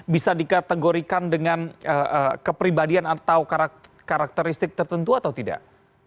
bisa dikategorikan dengan kepribadian atau karakteristik tertentu atau tidak